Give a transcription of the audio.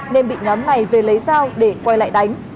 nên bị nhóm này về lấy dao để quay lại đánh